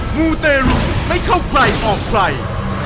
มูเตรุไม่เข้าใครออกใคร